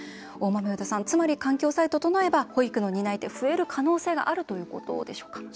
つまり環境さえ整えば保育の担い手、増える可能性があるということでしょうか？